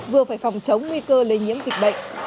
vừa phải phòng chống nguy cơ lây nhiễm dịch bệnh